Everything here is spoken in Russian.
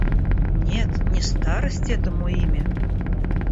Нет, не старость этому имя!